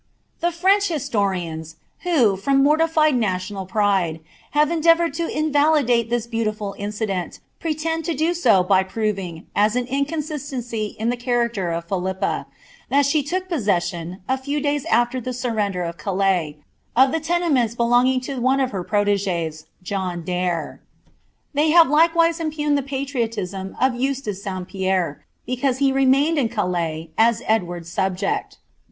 The French historians, who, from mortified national pnde, tan enilenvDured to invalidate this beautiful incident, pretend to do to kf proving, as an inconsistency in the character of Pbilippa, that sto IMI possession, a few days after the surrender of Calais, of the lea^HNi halonging to one of her proteges, John Daire. They have ItkvwiMiiK pugned the psirioiism of Eustace Su Pierre,' because he renuuDad ■ (V taiB, as Edward's subject.